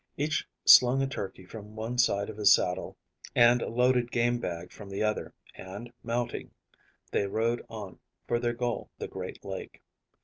Each slung a turkey from one side of his saddle and a loaded game bag from the other, and, mounting, they rode on for their goal, the great lake.